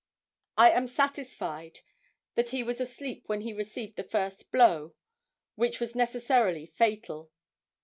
I am satisfied that he was asleep when he received the first blow, which was necessarily fatal.